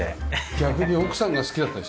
逆に奥さんが好きだったりして。